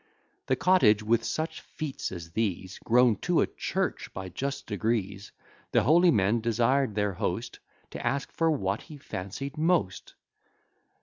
The cottage, with such feats as these, Grown to a church by just degrees, The holy men desired their host To ask for what he fancied most.